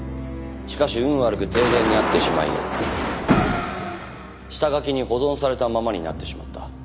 しかし運悪く停電になってしまい下書きに保存されたままになってしまった。